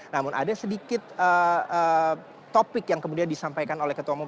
namun ada sedikit topik yang kemudian disampaikan oleh ketua umum